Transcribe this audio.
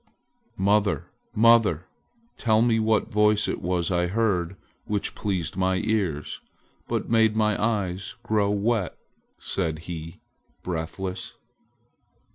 "Mother! Mother! Tell me what voice it was I heard which pleased my ears, but made my eyes grow wet!" said he, breathless.